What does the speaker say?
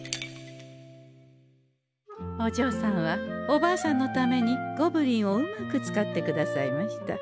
おじょうさんはおばあさんのためにゴブリンをうまく使ってくださいました。